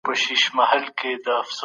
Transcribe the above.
لویه جرګه کله راټولېږي؟